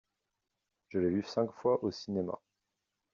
Je l'ai vu cinq fois au cinéma.